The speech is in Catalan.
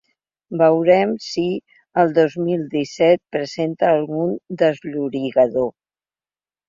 Veurem si el dos mil disset presenta algun desllorigador.